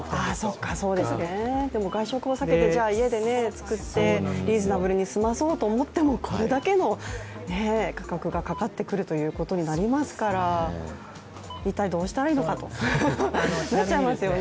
それで外食を避けて家で作ってリーズナブルに済ませようと思ってもこれだけの価格がかかってくるということになりますから一体どうしたらいいのかと思っちゃいますよね